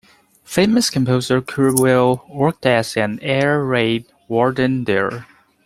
Famous composer Kurt Weill worked as an air raid warden there.